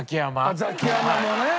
あっザキヤマもね。